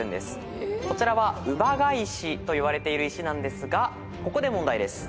こちらは姥ヶ石と言われている石なんですがここで問題です。